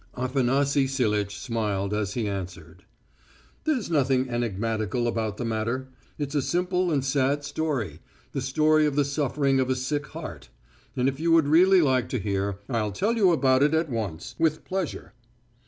Afanasy Silitch smiled as he answered: "There's nothing enigmatical about the matter. It's a simple and sad story, the story of the suffering of a sick heart. And if you would really like to hear, I'll tell you about it at once with pleasure."